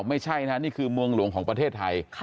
ไม่ใช่นะนี่คือเมืองหลวงของประเทศไทย